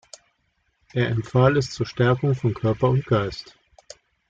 Er empfahl es zur Stärkung von Körper und Geist.